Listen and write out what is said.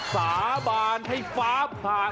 สาบานให้ฟ้าผ่าน